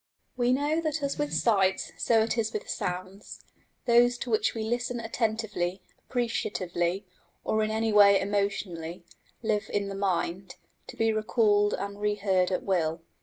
We know that as with sights so it is with sounds: those to which we listen attentively, appreciatively, or in any way emotionally, live in the mind, to be recalled and reheard at will.